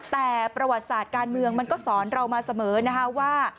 แต่ประวัติศาสตร์การเมืองมันก็สอนเรามาเสมอนะคะว่า